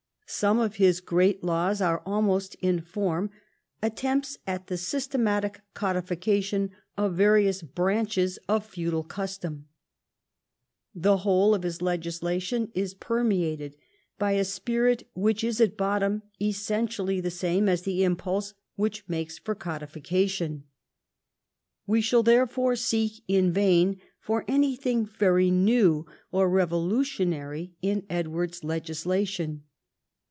Some of his great laws are almost in form attempts at the systematic codification of various branches of feudal custom. The whole of his legislation is permeated by a spirit which is at bottom essentially the same as the impulse which makes for codification. We shall therefore seek in vain for anything very new or revolutionary in Edward's legislation.